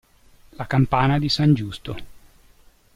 La campana di San Giusto